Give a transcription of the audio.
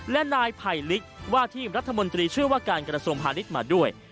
และนายไผ่ลิกว่าที่รัฐมนตรีเชื่อว่าการกระทรวงพาณิชย์มาด้วย